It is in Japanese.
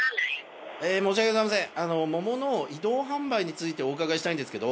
ええ申し訳ございません。